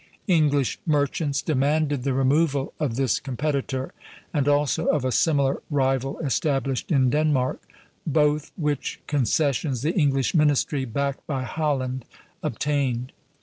English merchants demanded the removal of this competitor, and also of a similar rival established in Denmark; both which concessions the English ministry, backed by Holland, obtained.